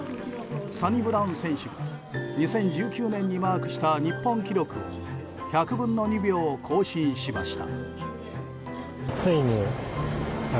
サニブラウン選手が２０１９年にマークした日本記録を１００分の２秒、更新しました。